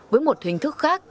với một hình thức khác